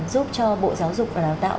giúp cho bộ giáo dục và đào tạo